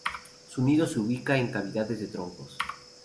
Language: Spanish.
Su nido se ubica en cavidades de troncos.